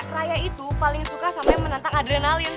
raya itu paling suka sampai menantang adrenalin